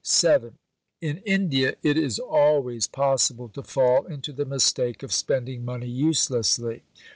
(7) In India it is always possible to fall into the mistake of spending money uselessly.